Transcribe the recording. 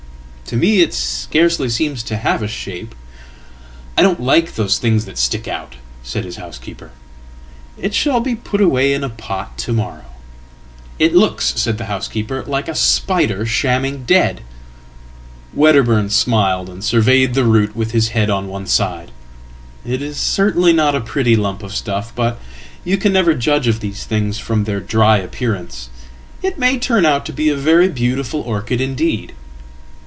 ""To me it scarcely seems to have a shape.""I don't like those things that stick out," said his housekeeper."It shall be put away in a pot to morrow.""It looks," said the housekeeper, "like a spider shamming dead."Wedderburn smiled and surveyed the root with his head on one side. "It iscertainly not a pretty lump of stuff. But you can never judge of thesethings from their dry appearance. It may turn out to be a very beautifulorchid indeed.